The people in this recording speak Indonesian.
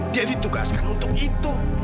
dia ditugaskan untuk itu